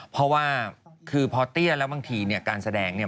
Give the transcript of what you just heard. เพราะว่าคือพอเตี้ยแล้วบางทีเนี่ยการแสดงเนี่ย